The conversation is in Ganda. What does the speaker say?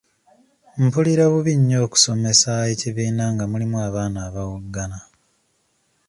Mpulira bubi nnyo okusomesa ekibiina nga mulimu abaana abawoggana.